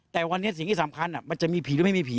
แต่วันนี้สิ่งที่สำคัญมันจะมีผีหรือไม่มีผี